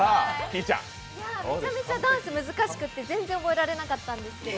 めちゃめちゃダンス難しくて全然覚えられなかったんですけど。